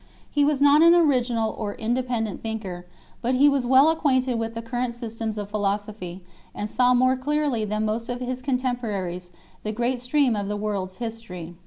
He was not an original or inde pendent thinker, but he was well acquainted with the current systems of philosophy, and saw more clearly than most of his contemporaries the great stream of the world s history.